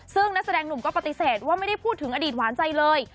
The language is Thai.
ซึ่งนักแสดงหนุ่มก็ปฏิเสธว่าไม่ได้พูดถึงอดีตหวานใจเลย